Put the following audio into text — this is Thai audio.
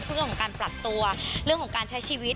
เรื่องของการปรับตัวเรื่องของการใช้ชีวิต